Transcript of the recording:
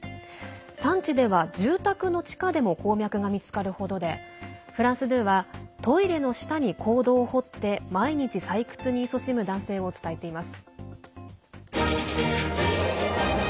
産地では住宅の地下でも鉱脈が見つかる程でフランス２はトイレの下に坑道を掘って毎日、採掘にいそしむ男性を伝えています。